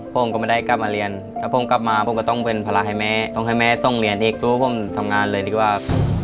ตรงไหนมั้ยต้องเรียนให้สู้ผมทำงานเลยดีกว่า